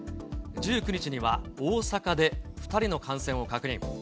１９日には大阪で２人の感染を確認。